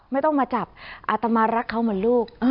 ไม่ต้องมาจับอาตมารักเขาเหมือนลูก